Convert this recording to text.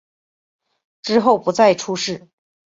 之后不再出仕。